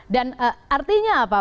dan artinya apa